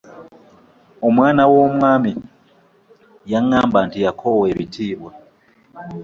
Omwana w'omwami yangamba nti yakoowa ebitiibwa.